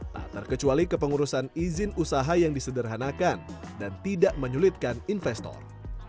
tak terkecuali kepengurusan izin usaha yang disederhanakan dan tidak menyulitkan investor